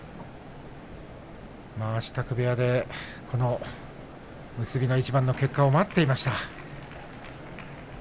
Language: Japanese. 支度部屋でこの結びの一番の結果を待っていました。